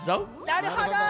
なるほど！